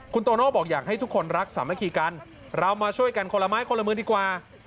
คุณโตโน่บอกอยากให้ทุกคนรักสามัคคีกันเรามาช่วยกันคนละไม้คนละมือดีกว่า